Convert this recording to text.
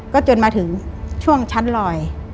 ก็จนมาถึงช่วงชั้นลอย